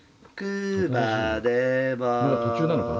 まだ途中なのかな？